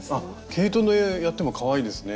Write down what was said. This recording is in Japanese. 毛糸でやってもかわいいですね。